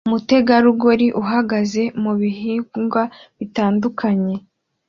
Umutegarugori uhagaze mubihingwa bitandukanye